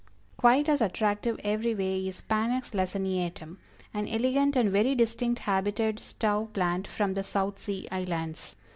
Quite as attractive every way is Panax Laciniatum, "An elegant and very distinct habited stove plant from the South Sea islands.